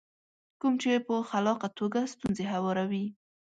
کوم چې په خلاقه توګه ستونزې هواروي.